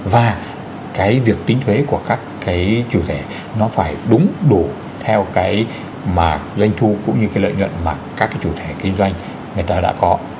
và cái việc tính thuế của các cái chủ thể nó phải đúng đủ theo cái mà doanh thu cũng như cái lợi nhuận mà các cái chủ thể kinh doanh người ta đã có